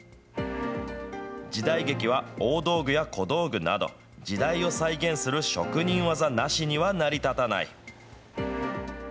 時代劇は大道具や小道具など、時代を再現する職人技なしには成り立たない。